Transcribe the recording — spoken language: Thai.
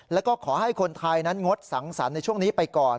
แล้วก็ขอให้คนไทยนั้นงดสังสรรค์ในช่วงนี้ไปก่อน